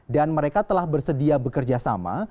dan mereka telah bersedia bekerjasama